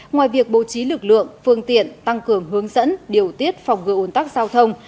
ngoài việc bố trí lực lượng phương tiện tăng cường hướng dẫn điều tiết phòng gửi ồn tắc giao thông